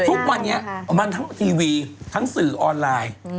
ทุกวันนี้มันทั้งทีวีทั้งสื่อออนไลน์